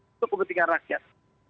itu kepentingan rakyat